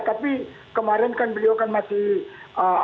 tapi kemarin kan beliau kan masih